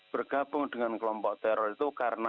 bergabung dengan kelompok teror itu karena